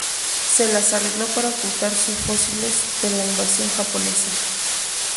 Se las arregló para ocultar su fósiles de la invasión japonesa.